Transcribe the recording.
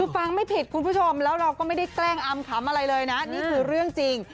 ฟังไม่ผิดคุณผู้ชมแล้วเราก็ไม่ได้แกล้งอำขำอะไรเลยนะนี่คือเรื่องจริง